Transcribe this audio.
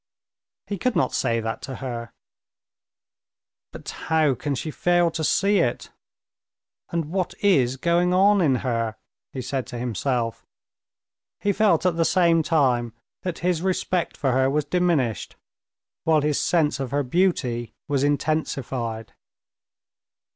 He could not say that to her. "But how can she fail to see it, and what is going on in her?" he said to himself. He felt at the same time that his respect for her was diminished while his sense of her beauty was intensified.